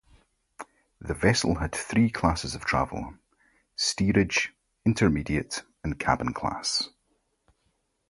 The vessel had three classes of travel; steerage, intermediate and cabin class.